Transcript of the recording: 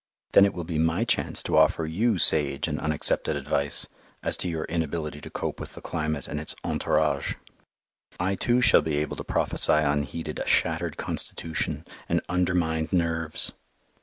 Then it will be my chance to offer you sage and unaccepted advice as to your inability to cope with the climate and its entourage. I too shall be able to prophesy unheeded a shattered constitution and undermined nerves.